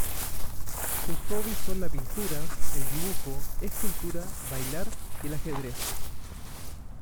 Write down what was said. Sus hobbies son la pintura, el dibujo, escultura, bailar y el ajedrez.